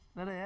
tidak ada ya